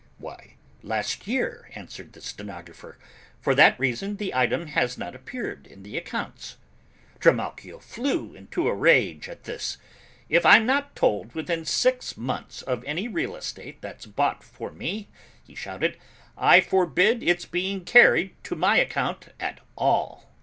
"Why, last year," answered the stenographer, "for that reason the item has not appeared in the accounts." Trimalchio flew into a rage at this. "If I'm not told within six months of any real estate that's bought for me," he shouted, "I forbid it's being carried to my account at all!"